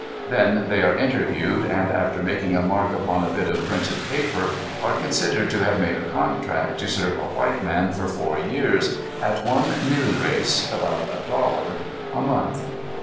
Then they are interviewed and, after making a mark upon a bit of printed paper, are considered to have made a contract to serve a white man for four years at one milreis about a dollar a month.